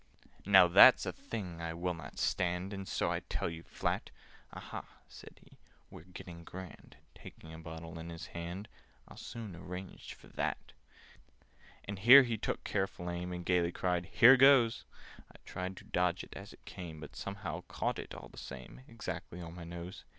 "Now that's a thing I will not stand, And so I tell you flat." "Aha," said he, "we're getting grand!" (Taking a bottle in his hand) "I'll soon arrange for that!" And here he took a careful aim, And gaily cried "Here goes!" I tried to dodge it as it came, But somehow caught it, all the same, Exactly on my nose.